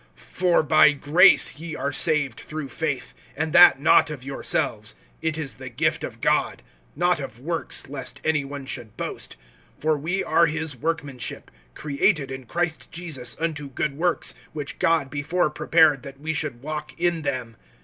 (8)For by grace ye are saved through faith; and that not of yourselves, it is the gift of God; (9)not of works, lest any one should boast. (10)For we are his workmanship, created in Christ Jesus unto good works, which God before prepared that we should walk in them.